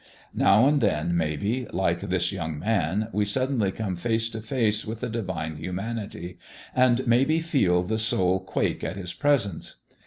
Now and then, maybe, like this young man, we suddenly come face to face with the Divine Humanity and maybe feel the soul quake at His presence.